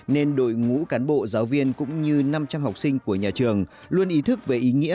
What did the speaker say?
nên đội ngũ cán bộ giáo viên cũng như năm trăm linh học sinh của nhà trường luôn ý thức về ý nghĩa